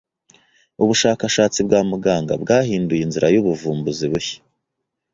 Ubushakashatsi bwa muganga bwahinduye inzira yubuvumbuzi bushya.